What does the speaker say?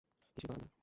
কিছুই করার নেই।